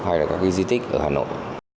hay là các cái di tích ở hà nội